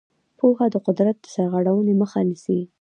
پوهه د قدرت د سرغړونې مخه نیسي.